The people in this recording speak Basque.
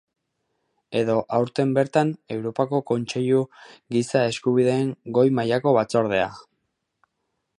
Edo aurten bertan Europako Kontseiluko Giza Eskubideen Goi mailako Batzordea.